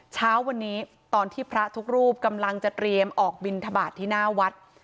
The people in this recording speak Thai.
เช้าวันนี้ตอนที่พระทุกรูปกำลังจะเตรียมออกบินทบาทที่หน้าวัด